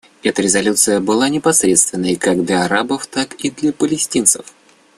Эта резолюция была несправедливой как для арабов, так и для палестинцев.